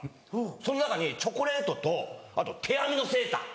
その中にチョコレートとあと手編みのセーター。